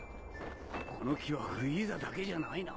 この気はフリーザだけじゃないな。